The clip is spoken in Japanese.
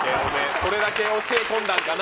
それだけ教え込んだんかな。